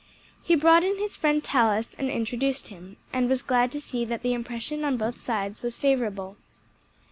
He brought in his friend Tallis and introduced him, and was glad to see that the impression on both sides was favorable.